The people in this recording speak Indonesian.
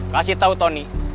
kasih tau tony